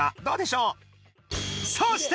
どうでしょう？